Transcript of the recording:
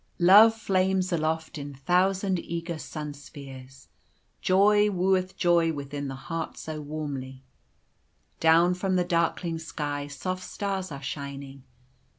"Love flames aloft in thousand eager sunspheres, Joy wooeth joy within the heart so warmly: Down from the darkling sky soft stars are shining.